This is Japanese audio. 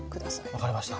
分かりました。